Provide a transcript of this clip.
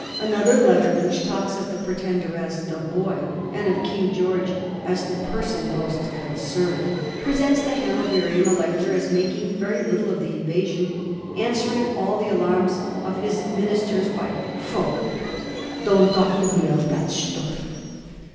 Another letter, which talks of the Pretender as " the Boy," and of King George "as the person most concerned," pre sents the Hanoverian Elector as making very little of the invasion, answering all the alarms of his ministers by Pho, don't talk to me of that stuff."